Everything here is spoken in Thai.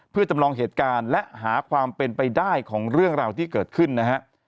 เพื่อจำลองเหตุการณ์และหาความเป็นไปได้ของเรื่องราวที่เกิดขึ้นนะฮะ